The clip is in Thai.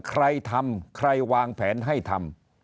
ใครทำใครวางแผนให้ทำ